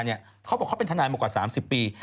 เขาบอกเขาเป็นทนายมากว่า๓๐ปี